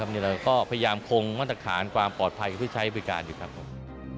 นี่เราก็พยายามคงมาตรการความปลอดภัยกับผู้ใช้บริการอยู่ข้างหลัง